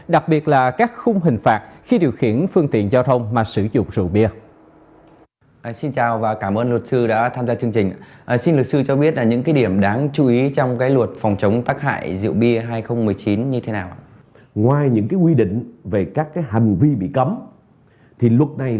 đặc biệt là các khung hình phạt khi điều khiển phương tiện giao thông mà sử dụng rượu bia